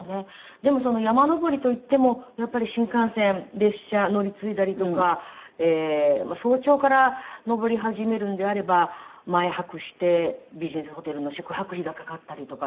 でも山登りといってもやっぱり新幹線列車乗り継いだりとか早朝から登り始めるんであれば前泊してビジネスホテルの宿泊費がかかったりとか。